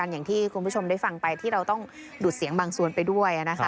อย่างที่คุณผู้ชมได้ฟังไปที่เราต้องดูดเสียงบางส่วนไปด้วย